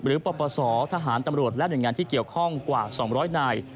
ปปศทหารตำรวจและหน่วยงานที่เกี่ยวข้องกว่า๒๐๐นาย